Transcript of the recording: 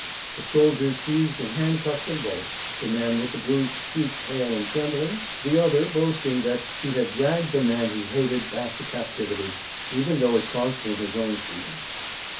The soldiers seized and handcuffed them both, the man with the bruised cheek pale and trembling, the other boasting that he had dragged the man he hated back to captivity, even though it cost him his own freedom.